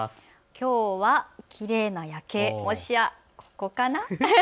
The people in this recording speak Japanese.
きょうはきれいな夜景、もしやここかな？